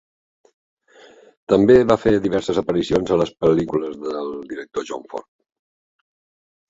També va fer diverses aparicions a les pel·lícules del director John Ford.